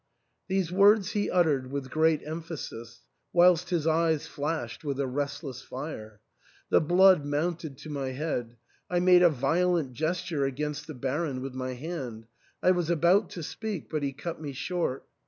These words he uttered with great emphasis, whilst his eyes flashed with a restless fire. The blood mounted to my head ; I made a violent gesture against the Baron with my hand ; I was about to speak, but he cut me short.